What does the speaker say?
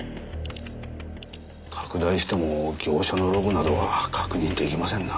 拡大しても業者のロゴなどは確認出来ませんな。